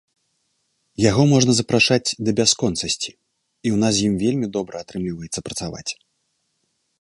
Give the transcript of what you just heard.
Яго можна запрашаць да бясконцасці, і ў нас з ім вельмі добра атрымліваецца працаваць.